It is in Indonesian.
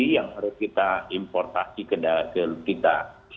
yang harus kita importasi ke kita